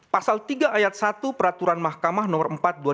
pasal tiga ayat satu peraturan mahkamah nomor empat dua ribu